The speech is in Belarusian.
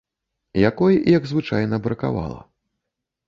Якой, як звычайна, бракавала.